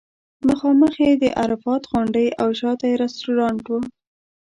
مخامخ یې د عرفات غونډۍ او شاته یې رستورانټ و.